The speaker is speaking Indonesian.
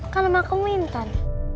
kan namamu intan